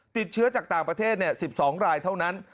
ติดเชื้อจากต่างประเทศ๑๒รายเท่านั้น